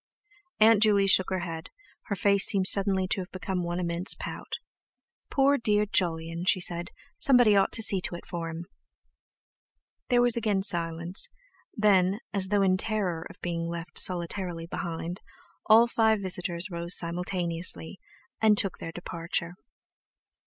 Aunt Juley shook her head; her face seemed suddenly to have become one immense pout. "Poor dear Jolyon," she said, "somebody ought to see to it for him!" There was again silence; then, as though in terror of being left solitarily behind, all five visitors rose simultaneously, and took their departure.